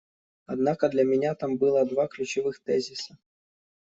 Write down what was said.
Однако для меня там было два ключевых тезиса.